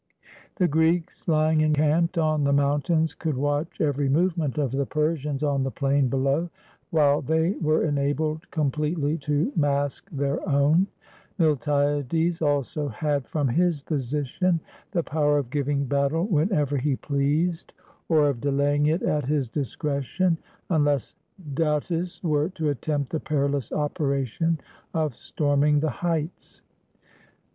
The Greeks, lying encamped on the mountains, could watch every movement of the Persians on the plain below, while they were enabled completely to mask their own. Miltiades also had, from his position, the power of giving battle whenever he pleased, or of de 8i GREECE laying it at his discretion, unless Datis were to attempt the perilous operation of storming the heights.